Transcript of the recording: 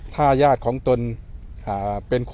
สวัสดีครับ